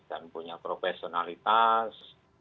dan punya profesionalitas